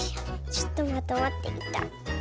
ちょっとまとまってきた。